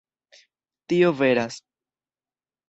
Tio veras.